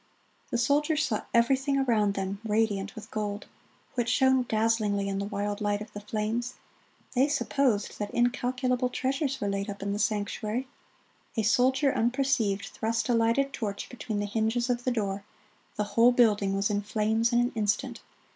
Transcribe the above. The soldiers saw everything around them radiant with gold, which shone dazzlingly in the wild light of the flames; they supposed that incalculable treasures were laid up in the sanctuary. A soldier, unperceived, thrust a lighted torch between the hinges of the door: the whole building was in flames in an instant.